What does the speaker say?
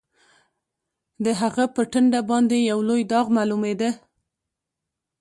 د هغه په ټنډه باندې یو لوی داغ معلومېده